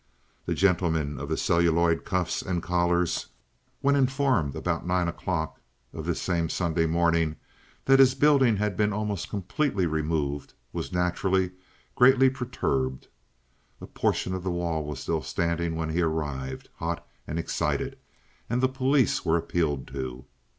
The gentleman of the celluloid cuffs and collars, when informed about nine o'clock of this same Sunday morning that his building had been almost completely removed, was naturally greatly perturbed. A portion of the wall was still standing when he arrived, hot and excited, and the police were appealed to.